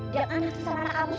jangan ngasih sama anak kamu suly